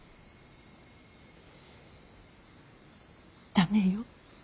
駄目よ